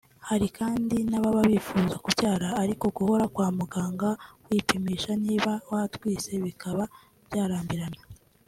Hari kandi n’ababa bifuza kubyara ariko guhora kwa muganga wipimisha niba watwise bikaba byarambirana